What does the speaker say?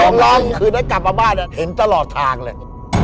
ผมร้องคืนนั้นกลับมาบ้านเห็นตลอดทางเลย